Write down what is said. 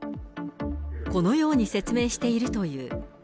このように説明しているという。